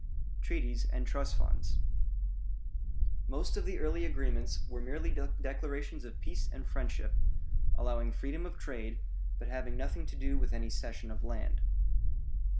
TREATIES AND TRUST FUNDS Most of the early agreements were merely declarations of peace and friendship, allowing freedom of trade, but having nothing to do with any cession of land.